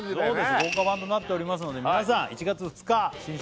豪華版となっておりますので皆さん１月２日新春